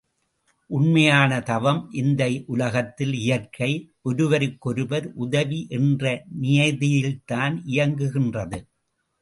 உண்மையான தவம் இந்த உலகத்தில் இயற்கை, ஒருவருக்கொருவர் உதவி என்ற நியதியில்தான் இயங்குகின்றது.